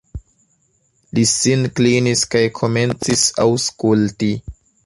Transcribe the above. Li sin klinis kaj komencis aŭskulti.